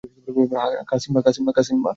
খা, সিম্বা!